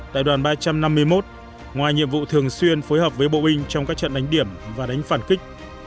đại đoàn ba trăm năm mươi một ngoài nhiệm vụ thường xuyên phối hợp với bộ binh trong các trận đánh điểm và đánh phản kích